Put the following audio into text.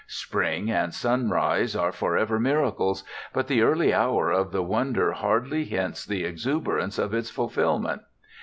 Spring and sunrise are forever miracles, but the early hour of the wonder hardly hints the exuberance of its fulfilment.